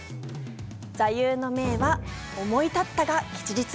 座右の銘は、「思い立ったが吉日」。